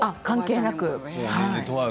関係なく。